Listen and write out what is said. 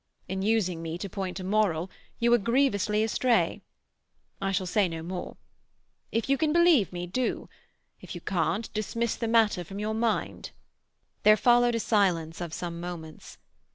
In using me to point a moral you were grievously astray. I shall say no more. If you can believe me, do; if you can't, dismiss the matter from your mind." There followed a silence of some moments.